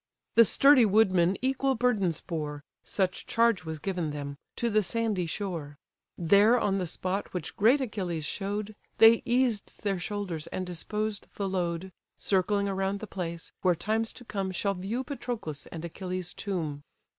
The sturdy woodmen equal burdens bore (Such charge was given them) to the sandy shore; There on the spot which great Achilles show'd, They eased their shoulders, and disposed the load; Circling around the place, where times to come Shall view Patroclus' and Achilles' tomb.